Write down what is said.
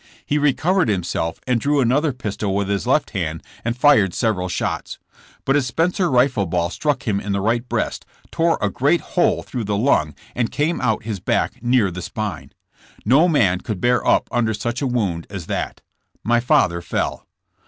He recovered himself and drew another pistol with his left hand and fired 'several shots. But a Spencer rifle ball struck him in the right breast, tore a great hole through the lung and came out his back near the spine. No man could bear up under such a wound as that. My father fell.